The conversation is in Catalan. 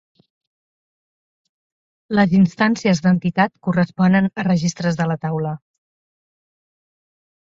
Les instàncies d'entitat corresponen a registres de la taula.